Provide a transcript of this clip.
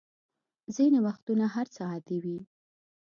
ځینې وختونه هر څه عادي وي.